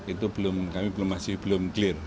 itu belum kami masih belum clear